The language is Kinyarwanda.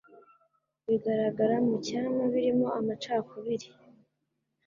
bigaragara mu cyama birimo amacakubiri,